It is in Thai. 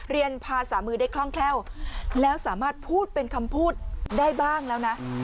เรียนภาษามือได้คล่องแคล่วแล้วสามารถพูดเป็นคำพูดได้บ้างแล้วนะ